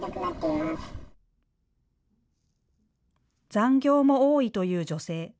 残業も多いという女性。